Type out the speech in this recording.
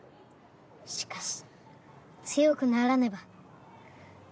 しかし強くならねば。